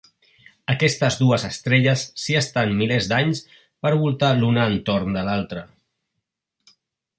Aquestes dues estrelles s'hi estan milers d'anys per voltar l'una entorn de l'altra.